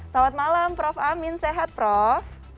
selamat malam prof amin sehat prof